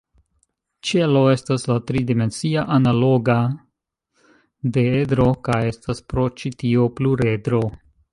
Ĉelo estas la tri-dimensia analoga de edro, kaj estas pro ĉi tio pluredro.